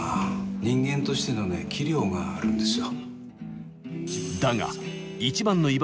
人間としてのね器量があるんですよ。